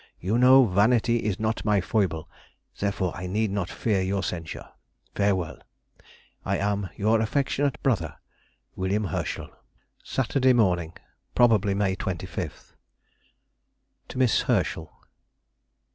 You know vanity is not my foible, therefore I need not fear your censure. Farewell. I am, your affectionate brother, WM. HERSCHEL. Saturday Morning, probably May 25. TO MISS HERSCHEL.